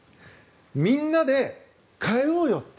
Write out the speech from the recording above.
みんなで変えようよって。